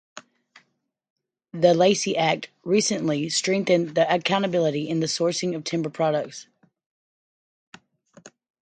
The Lacey Act recently strengthened the accountability in the sourcing of timber products.